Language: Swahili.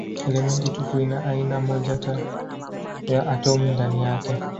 Elementi tupu ina aina moja tu ya atomi ndani yake.